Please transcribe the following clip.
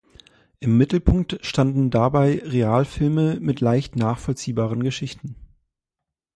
Im Mittelpunkt standen dabei Realfilme mit leicht nachvollziehbaren Geschichten.